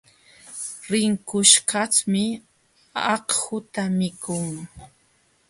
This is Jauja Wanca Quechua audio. Rinqushkaqmi akhuta mikun.